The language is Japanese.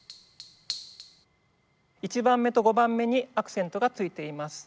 １番目と５番目にアクセントがついています。